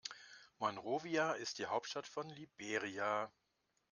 Monrovia ist die Hauptstadt von Liberia.